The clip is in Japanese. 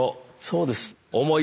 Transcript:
そうです。